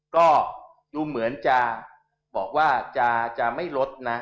ก็ดูเหมือนจะบอกว่าจะไม่ลดนะ